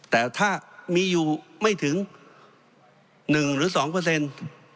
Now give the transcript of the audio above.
แต่ถ้ามีอยู่ไม่ถึง๑หรือ๒เปอร์เซ็นต์